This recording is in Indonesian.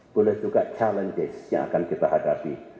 boleh juga challenges yang akan kita hadapi